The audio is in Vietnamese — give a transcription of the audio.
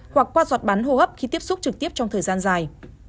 hoặc qua giọt bắn hô hấp khi tiếp xúc trực tiếp trong thời gian dài